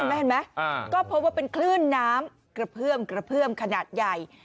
เห็นไหมก็พบว่าเป็นคลื่นน้ำกระเพื่อมขนาดใหญ่